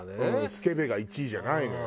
「スケベ」が１位じゃないのよ。